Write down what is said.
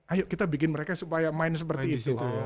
ayo kita bikin mereka supaya main seperti itu